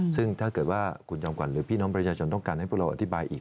ซึ่งถ้าเกิดว่าคุณจอมขวัญหรือพี่น้องประชาชนต้องการให้พวกเราอธิบายอีก